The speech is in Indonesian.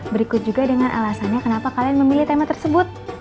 berikut juga dengan alasannya kenapa kalian memilih tema tersebut